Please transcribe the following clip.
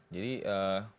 jadi yang kita lihat